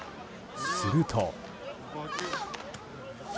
すると。